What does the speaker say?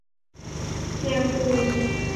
เชียงกูล